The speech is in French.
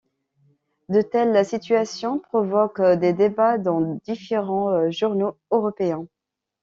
De telles situations provoquent des débats dans différents journaux européens.